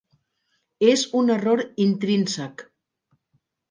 És un error intrínsec.